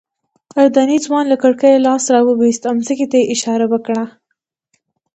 اردني ځوان له کړکۍ لاس راوویست او ځمکې ته یې اشاره وکړه.